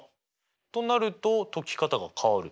となると解き方が変わる？